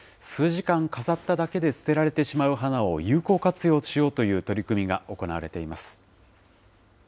数時間飾っただけで捨てられてしまう花を有効活用しようという取り組みが行われています。